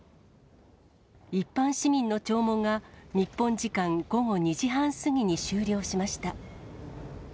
一般市民の弔問が日本時間午後２時半過ぎに終了しました。